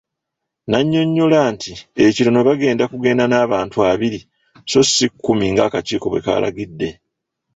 N'annyonnyola nti ekitono bagenda kugenda n'abantu abiri so si kumi ng'akakiiko bwe kaalagidde.